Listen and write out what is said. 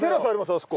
あそこ。